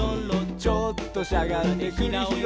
「ちょっとしゃがんでくりひろい」